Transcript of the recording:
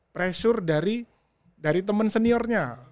pressure dari teman seniornya